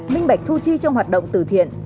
minh bạch thu chi trong hoạt động từ thiện